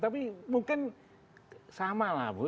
tapi mungkin sama lah bu